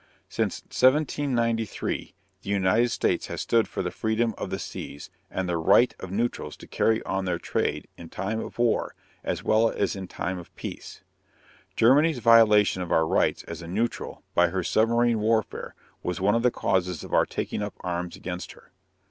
_ Since 1793 the United States has stood for the freedom of the seas and the right of neutrals to carry on their trade in time of war as well as in time of peace. Germany's violation of our rights as a neutral by her submarine warfare was one of the causes of our taking up arms against her.